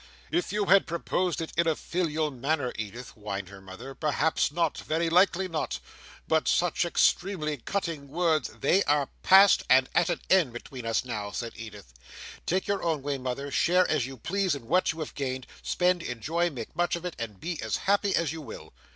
"If you had proposed it in a filial manner, Edith," whined her mother, "perhaps not; very likely not. But such extremely cutting words—" "They are past and at an end between us now," said Edith. "Take your own way, mother; share as you please in what you have gained; spend, enjoy, make much of it; and be as happy as you will.